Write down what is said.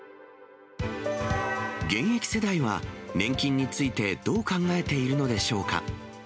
現役世代は、年金についてどう考えているのでしょうか。